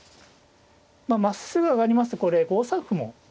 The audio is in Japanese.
まっすぐ上がりますとこれ５三歩も。